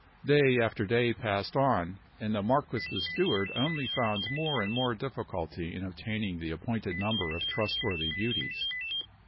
Day after day passed on; and the marquis's steward only found more and more difficulty in obtaining the appointed number of trustworthy beauties.